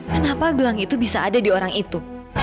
kenapa gelang itu bisa ada di orang itu